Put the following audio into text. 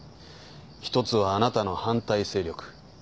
一つはあなたの反対勢力